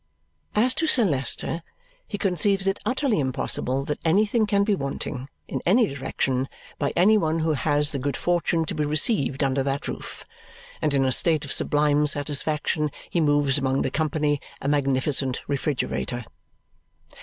As to Sir Leicester, he conceives it utterly impossible that anything can be wanting, in any direction, by any one who has the good fortune to be received under that roof; and in a state of sublime satisfaction, he moves among the company, a magnificent refrigerator.